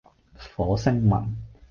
火星文